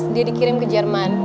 dia dikirim ke jerman